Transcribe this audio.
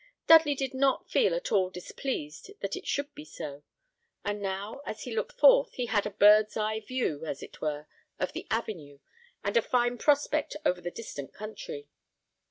Dudley did not feel at all displeased that it should be so; and now as he looked forth, he had a bird's eye view, as it were, of the avenue, and a fine prospect over the distant country.